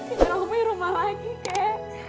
kita gak punya rumah lagi kek